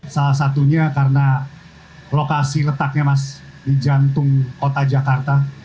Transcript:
salah satunya karena lokasi letaknya mas di jantung kota jakarta